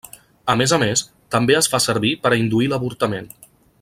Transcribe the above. A més a més, també es fa servir per a induir l'avortament.